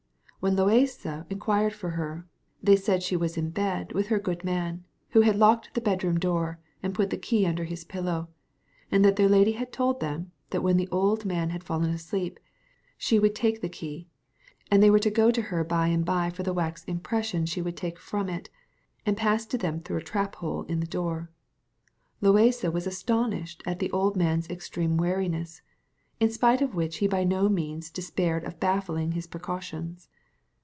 When Loaysa inquired for her, they said she was in bed with her good man, who had locked the bed room door, and put the key under his pillow; and that their lady had told them, that when the old man had fallen asleep she would take the key, and they were to go to her by and by for the wax impression she would take from it, and pass to them through a trap hole in the door. Loaysa was astonished at the old man's extreme wariness, in spite of which he by no means despaired of baffling his precautions.